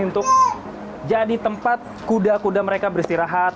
untuk jadi tempat kuda kuda mereka bersihkan